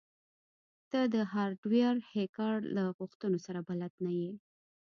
ته د هارډویر هیکر له غوښتنو سره بلد نه یې